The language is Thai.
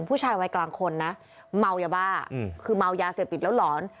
ผู้ชายวัยกลางคนนะเมายาบ้าคือเมายาเสพติดแล้วหลอน